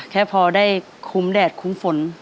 แค่พอได้คุ้มแดดคุ้มฝน